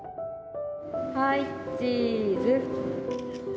はいチーズ。